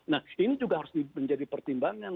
nah ini juga harus menjadi pertimbangan